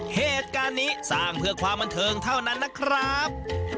เหตุการณ์นี้สร้างเพื่อความบันเทิงเท่านั้นนะครับ